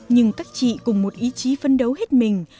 nhưng các chị cùng một ý chí phấn đấu hết mình